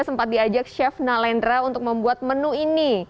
sempat diajak chef nalendra untuk membuat menu ini